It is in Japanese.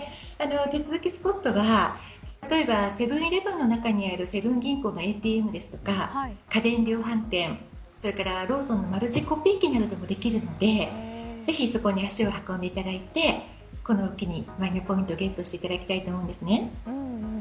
手続きスポットは例えばセブン‐イレブンの中にあるセブン銀行のＡＴＭですとか家電量販店、それからローソンのマルチコピー機などでもできるのでぜひそこに足を運んでいただいてこれを機に、マイナポイントをゲットしていただきたいと思うんです。